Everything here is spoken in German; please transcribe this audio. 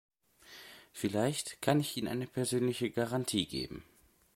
Vielleicht kann ich Ihnen eine persönliche Garantie geben.